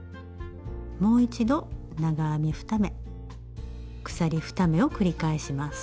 もう一度長編み２目鎖２目を繰り返します。